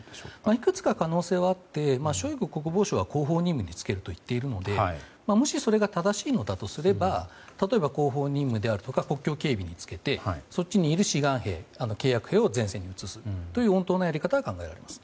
いくつか可能性はあってショイグ国防相は後方任務に就けと言っているのでもしそれが正しいのだとすれば後方任務や国境警備につけてそっちにいる志願兵、契約兵をそっちに移すという穏当なやり方が考えられます。